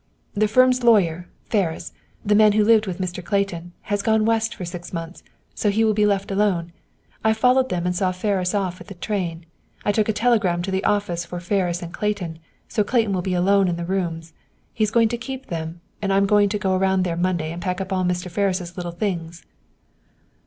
"The firm's lawyer, Ferris, the man who lived with Mr. Clayton, has gone West for six months, so he will be left alone! I followed them and saw Ferris off on the train. I took a telegram to the office for Ferris and Clayton, so Clayton will be alone in the rooms. He's going to keep them, and I'm to go around there Monday and pack up all Mr. Ferris' little things."